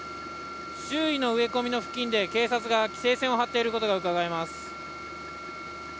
周囲の植え込みの付近で警察が規制線を張っていることがうかがえます。